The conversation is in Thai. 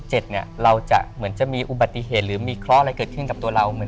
เหมือนจะเหมือนจะมีอุบัติเหตุ